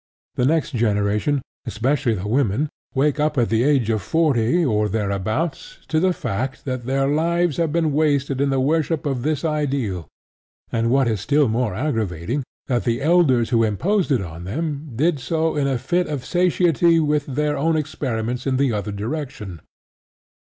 The next generation, especially the women, wake up at the age of forty or thereabouts to the fact that their lives have been wasted in the worship of this ideal, and, what is still more aggravating, that the elders who imposed it on them did so in a fit of satiety with their own experiments in the other direction.